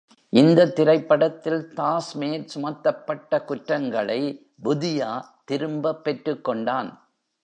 இந்த திரைப்படத்தில், தாஸ் மேல் சுமத்தப்பட்ட குற்றங்களை Budhia திரும்ப பெற்றுக்கொண்டான்.